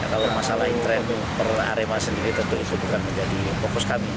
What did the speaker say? kalau masalah internet per arema sendiri tentu itu bukan menjadi fokus kami